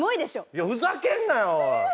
いやふざけんなよ！